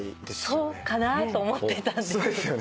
そうかなと思ってたんです。